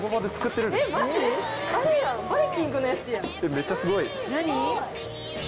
めっちゃすごい。